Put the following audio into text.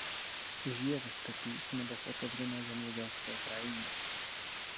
Žije ve stepích nebo v otevřené zemědělské krajině.